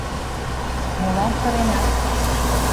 Молан сыренат?